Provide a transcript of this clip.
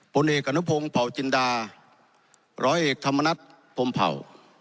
ผลเอกอนุพงศ์เผาจินดาร้อยเอกธรรมนัฐพรมเผ่า